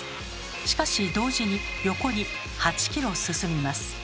しかし同時に横に８ｋｍ進みます。